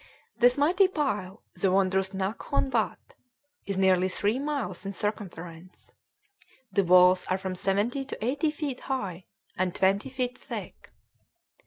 This mighty pile, the wondrous Naghkon Watt, is nearly three miles in circumference; the walls are from seventy to eighty feet high, and twenty feet thick.